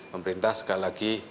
pemerintah sekali lagi